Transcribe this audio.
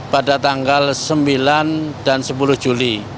pada tanggal sembilan dan sepuluh juli